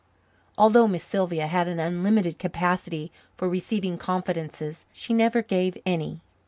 Although Miss Sylvia had an unlimited capacity for receiving confidences, she never gave any.